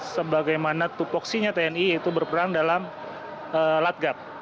sebagaimana tupoksinya tni itu berperan dalam latgab